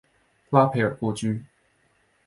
拉斐尔故居。